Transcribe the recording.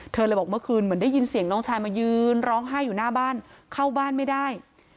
เธอเลยบอกเมื่อคืนเหมือนได้ยินเสียงน้องชายมายืนร้องไห้อยู่หน้าบ้านเข้าบ้านไม่ได้